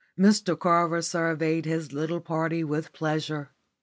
Mr Carver surveyed his little party with pleasure.